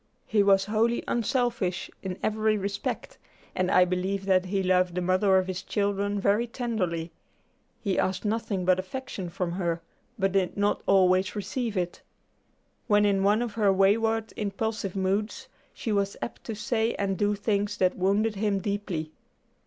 He was wholly unselfish in every respect, and I believe that he loved the mother of his children very tenderly. He asked nothing but affection from her, but did not always receive it. When in one of her wayward impulsive moods, she was apt to say and do things that wounded him deeply.